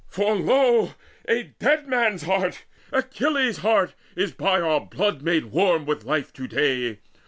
For lo, a dead man's heart, Achilles' heart, Is by our blood made warm with life to day!